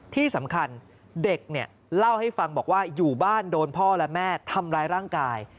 ที่สำคัญเด็กเนี่ยเล่าให้ฟังบอกว่าอยู่บ้านโดนพ่อและแม่ทำร้ายร่างกาย